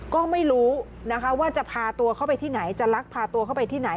ก็ไม่รู้นะคะว่าจะพาตัวเข้าไปที่ไหนจะลักพาตัวเข้าไปที่ไหน